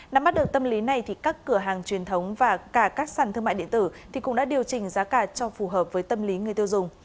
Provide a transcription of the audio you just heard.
nắm bắt được tâm lý này thì các cửa hàng truyền thống và cả các sản thương mại điện tử cũng đã điều chỉnh giá cả cho phù hợp với tâm lý người tiêu dùng